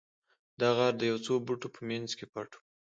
دا غار د یو څو بوټو په مینځ کې پټ و